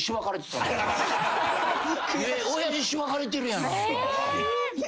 親父しばかれてるやん。